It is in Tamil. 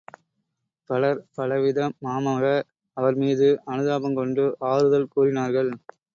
பலர் பலவிதமாமக அவர்மீது அனுதாபம் கொண்டு ஆறுதல் கூறினார்கள்.